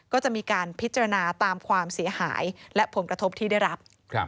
ก็จะมีการพิจารณาตามความเสียหายและผลกระทบที่ได้รับ